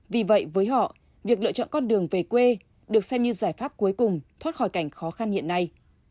vì vậy với họ việc lựa chọn con đường về quê được xem như giải pháp cuối cùng thoát khỏi cảnh khó khăn hiện nay